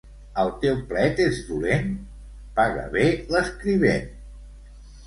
El teu plet és dolent? Paga bé l'escrivent.